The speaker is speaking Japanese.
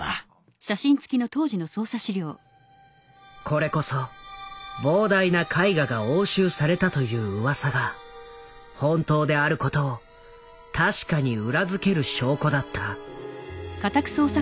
これこそ膨大な絵画が押収されたといううわさが本当であることを確かに裏付ける証拠だった。